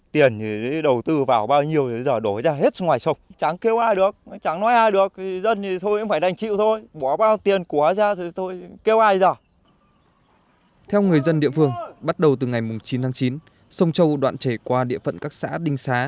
theo người dân địa phương bắt đầu từ ngày chín tháng chín sông châu đoạn trẻ qua địa phận các xã đinh xá